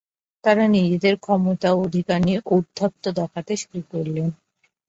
তাঁরা নিজেদের ক্ষমতা ও অধিকার নিয়ে ঔদ্ধত্য দেখাতে শুরু করলেন।